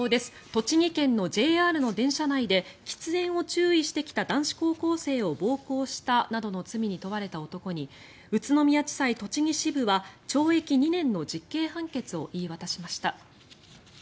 栃木県のＪＲの電車内で喫煙を注意してきた男子高校生を暴行したなどの罪に問われた男に宇都宮地裁栃木支部は懲役２年の実刑判決を言い渡しました。